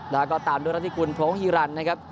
แล้วก็ตามด้วยรัฐธิกุลโพรงฮีรันนะครับ